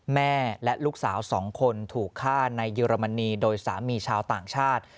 แม่และลูกสาว๒คนถูกฆ่าในเยอรมนีโดยสามีชาวต่างชาติ